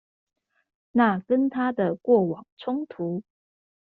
那跟他的過往衝突